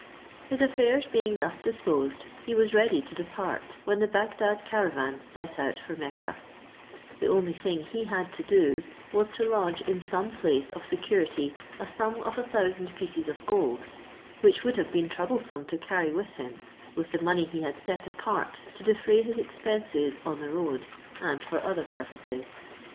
His affairs being thus disposed, he was ready to depart when the Bagdad caravan set out for Mecca: the only thing he had to do was to lodge in some place of security a sum of a thousand pieces of gold, which would have been troublesome to carry with him, with the money he had set apart to defray his expenses on the road, and for other purposes.